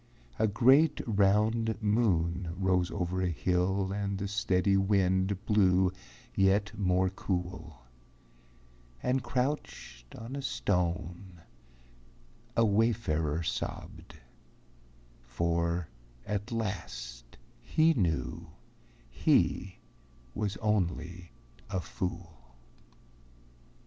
A great, round moon rose over a hill And the steady wind blew yet more cool; And crouched on a stone a wayfarer sobbed, For at last he knew he was only a fool.